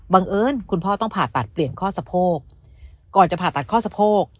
เอิญคุณพ่อต้องผ่าตัดเปลี่ยนข้อสะโพกก่อนจะผ่าตัดข้อสะโพก